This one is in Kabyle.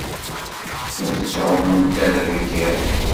Ur ttɛumunt ara deg yiḍ.